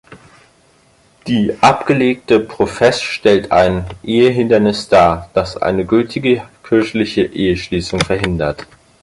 Die abgelegte Profess stellt ein Ehehindernis dar, das eine gültige kirchliche Eheschließung verhindert.